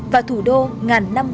và thủ đô ngàn năm trước